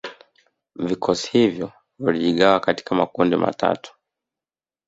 Vikosi hivyo vilijigawa katika makundi matatu